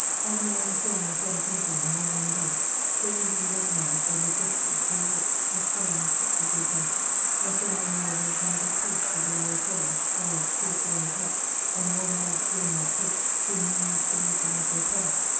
I no longer saw my fellow countrymen wandering about, so easily recognised by their ges tures, their walk, the style and cut of their dress ; i saw no more of those martyr priests, with their low collars, large three cornered hats, and long black worn out coats, whom the ]&iglish saluted as they passed.